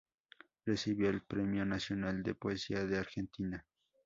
Recibió el Premio Nacional de Poesía de Argentina.